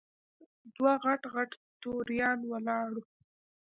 دوه غټ غټ توریان ولاړ وو.